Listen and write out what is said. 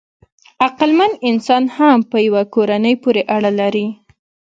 عقلمن انسان هم په یوه کورنۍ پورې اړه لري.